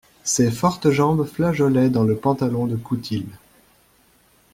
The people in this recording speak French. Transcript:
Ses fortes jambes flageolaient dans le pantalon de coutil.